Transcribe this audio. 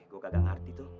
gua kagak ngerti tuh